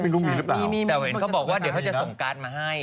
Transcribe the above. เป็นลูกหมีหรือเปล่ามีมีมันก็ส่วนตาอีกนะแต่เห็นเขาบอกว่าเดี๋ยวเขาจะส่งการ์ดมาให้